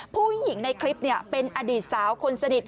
ผู้หญิงในคลิปเป็นอดีตสาวคนสนิท